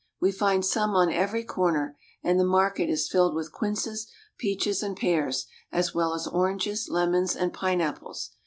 We find some on every corner, and the market is filled with quinces, peaches, and pears, as well as oranges, lemons, and pineapples.